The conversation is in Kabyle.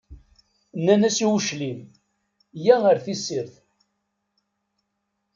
Nnan-as i uclim: yya ar tessirt.